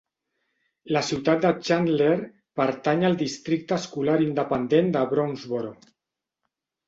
La ciutat de Chandler pertany al districte escolar independent de Brownsboro.